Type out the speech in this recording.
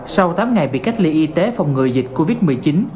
sau tám ngày bị cách ly y tế phòng ngừa dịch covid một mươi chín